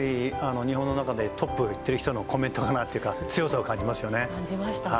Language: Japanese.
日本の中でトップをいってる人のコメントかなって強さを感じますよね。